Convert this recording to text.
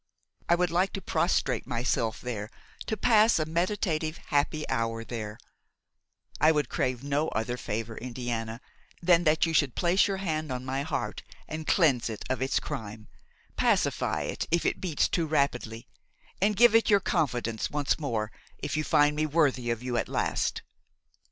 I would like to prostrate myself there, to pass a meditative, happy hour there; I would crave no other favor, Indiana, than that you should place your hand on my heart and cleanse it of its crime, pacify it if it beats too rapidly, and give it your confidence once more if you find me worthy of you at last.